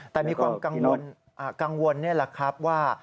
แต่มีความกังวลนี่แหละครับว่า